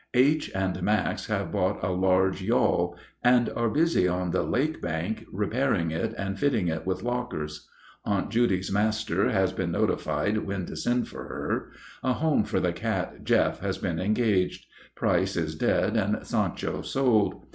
H. and Max have bought a large yawl and are busy on the lake bank repairing it and fitting it with lockers. Aunt Judy's master has been notified when to send for her; a home for the cat Jeff has been engaged; Price is dead, and Sancho sold.